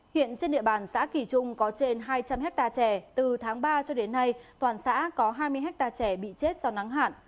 hiện trên địa bàn xã kỳ trung có trên hai trăm linh hectare trẻ từ tháng ba cho đến nay toàn xã có hai mươi hectare trẻ bị chết do nắng hạn